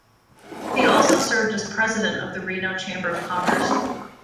He also served as president of the Reno Chamber of Commerce.